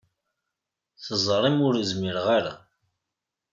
Teẓrim ur zmireɣ ara.